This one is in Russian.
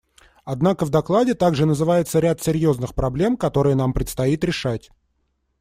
Однако в докладе также называется ряд серьезных проблем, которые нам предстоит решать.